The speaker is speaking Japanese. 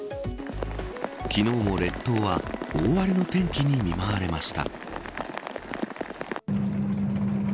昨日も列島は大荒れの天気に見舞われました。